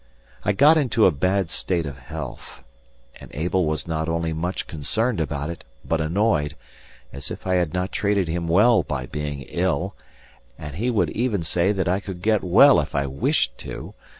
I got into a bad state of health, and Abel was not only much concerned about it, but annoyed, as if I had not treated him well by being ill, and he would even say that I could get well if I wished to.